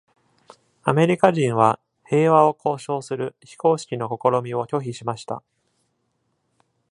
アメリカ人は平和を交渉する非公式の試みを拒否しました。